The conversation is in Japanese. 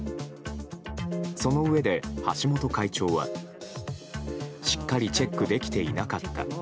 そのうえで、橋本会長はしっかりチェックできていなかった。